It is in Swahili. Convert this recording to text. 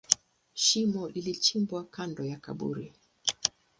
Shimo lilichimbwa kando ya kaburi.